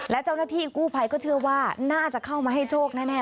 และเจ้าหน้าที่กู้ภัยก็เชื่อว่าน่าจะเข้ามาให้โชคแน่